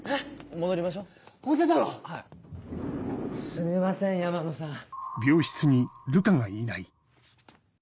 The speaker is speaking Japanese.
すみません山野さん。